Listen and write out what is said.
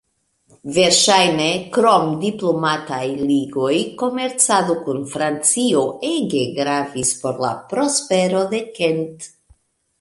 Verŝajne, krom diplomataj ligoj, komercado kun Francio ege gravis por la prospero de Kent.